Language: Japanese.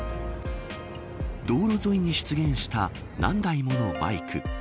道路沿いに出現した何台ものバイク。